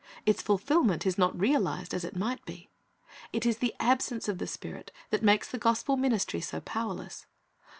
Its fulfilment is not realized as it might be. It is the absence of the Spirit that makes the gospel ministry so powerless.